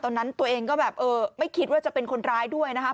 เพราะฉะนั้นตัวเองก็แบบไม่คิดว่าจะเป็นคนร้ายด้วยนะครับ